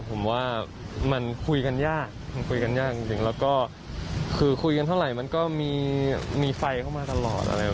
ผมว่ามันคุยกันยากมันคุยกันยากจริงแล้วก็คือคุยกันเท่าไหร่มันก็มีไฟเข้ามาตลอดอะไร